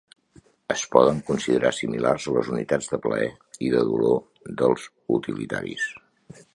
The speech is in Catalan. Es poden considerar similars a les unitats de plaer i de dolor dels utilitaris.